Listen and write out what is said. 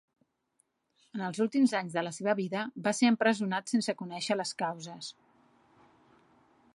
En els últims anys de la seva vida va ser empresonat sense conèixer les causes.